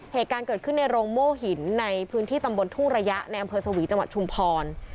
เหตุการณ์เกิดขึ้นในโรงโม่หินในพื้นที่ตำบลทุ่งระยะในอำเภอสวีจังหวัดชุมพร